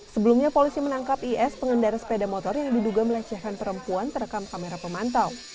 sebelumnya polisi menangkap is pengendara sepeda motor yang diduga melecehkan perempuan terekam kamera pemantau